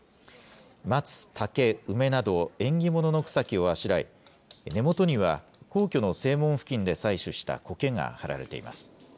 松、竹、梅など縁起物の草木をあしらい、根元には皇居の正門付近で採取したこけが張られています。